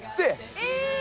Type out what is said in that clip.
え！